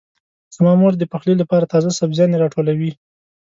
زما مور د پخلي لپاره تازه سبزيانې راټولوي.